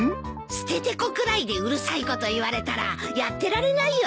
ステテコくらいでうるさいこと言われたらやってられないよね！